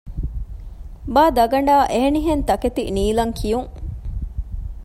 ބާދަގަނޑާއި އެހެނިހެން ތަކެތި ނީލަން ކިޔުން